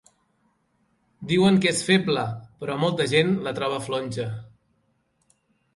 Diuen que és feble, però molta gent la troba flonja.